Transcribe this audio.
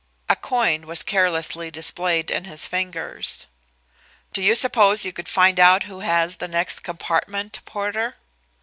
A coin was carelessly displayed in his fingers. "Do you suppose you could find out who has the next compartment, porter?"